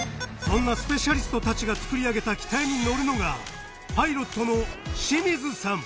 そんなスペシャリストたちが作り上げた機体に乗るのがパイロットの清水さん